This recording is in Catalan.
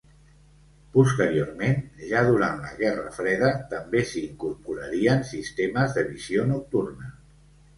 Posteriorment, ja durant la Guerra Freda, també s'hi incorporarien sistemes de visió nocturna.